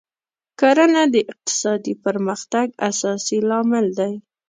کرنه د اقتصادي پرمختګ اساسي لامل دی.